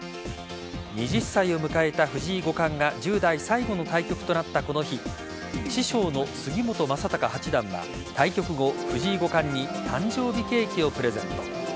２０歳を迎えた藤井五冠が１０代最後の対局となったこの日師匠の杉本昌隆八段は対局後、藤井五冠に誕生日ケーキをプレゼント。